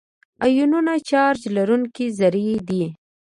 آیونونه چارج لرونکي ذرې دي.